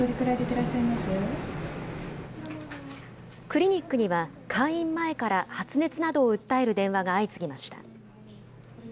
クリニックには、開院前から、発熱などを訴える電話が相次ぎました。